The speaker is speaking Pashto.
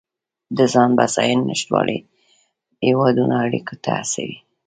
د ځان بسیاینې نشتوالی هیوادونه اړیکو ته هڅوي